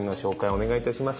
お願いいたします。